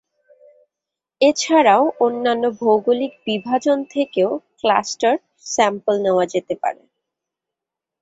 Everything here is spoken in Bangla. এছাড়াও অন্যান্য ভৌগলিক বিভাজন থেকেও ক্লাস্টার স্যাম্পল নেয়া যেতে পারে।